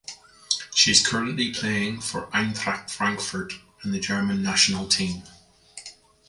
She is currently playing for Eintracht Frankfurt and the Germany national team.